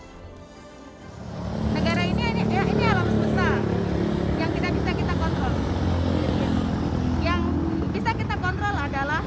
negara ini alam besar yang bisa kita kontrol